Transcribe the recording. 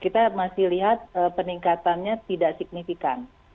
kita masih lihat peningkatannya tidak signifikan